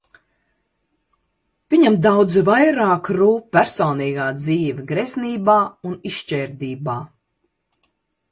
Viņam daudz vairāk rūp personīgā dzīve greznībā un izšķērdībā.